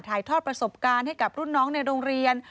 ถ่ายทอดประสบการณ์ให้กับรุ่นน้องในโรงเรียน